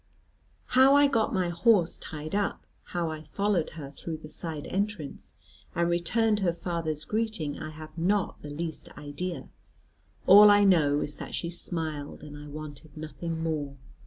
How I got my horse tied up, how I followed her through the side entrance, and returned her father's greeting, I have not the least idea; all I know is that she smiled, and I wanted nothing more.